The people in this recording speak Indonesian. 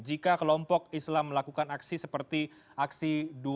jika kelompok islam melakukan aksi seperti aksi dua ratus dua belas